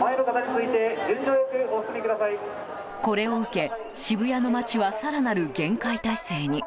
これを受け、渋谷の街は更なる警戒態勢に。